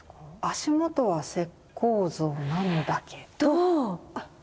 足元は石膏像なんだけど。